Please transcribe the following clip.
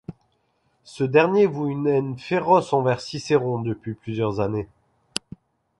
Ce dernier voue une haine féroce envers Cicéron depuis plusieurs années.